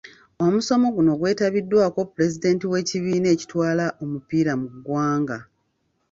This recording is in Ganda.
Omusomo guno gwetabiddwako pulezidenti w'ekibiina ekitwala omupiira mu ggwanga